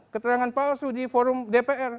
keterangan palsu di forum dpr